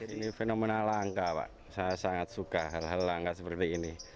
ini fenomena langka pak saya sangat suka hal hal langka seperti ini